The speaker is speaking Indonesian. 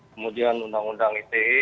kemudian undang undang ite